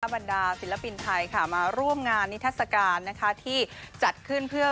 บรรดาศิลปินไทยค่ะมาร่วมงานนิทัศกาลนะคะที่จัดขึ้นเพื่อ